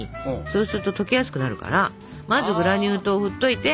そうすると溶けやすくなるからまずグラニュー糖をふっといて。